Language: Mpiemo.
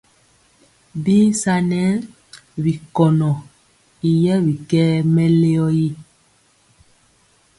Bisar nɛ bi konɔ y yɛ bikɛɛ mɛleo ri.